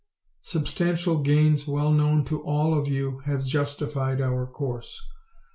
Substantial gains well known to all of you have justified our course.